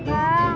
kami di lantai